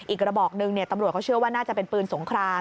กระบอกหนึ่งตำรวจเขาเชื่อว่าน่าจะเป็นปืนสงคราม